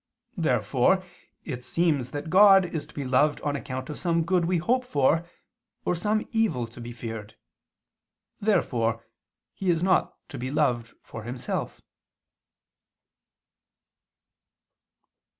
Therefore it seems that God is to be loved on account of some good we hope for, or some evil to be feared. Therefore He is not to be loved for Himself.